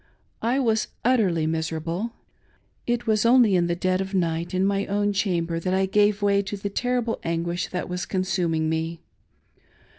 I was utterly miserable. It was only in the dead of night, in my own chamber, that I gave way to the terrible anguish that was consuming me.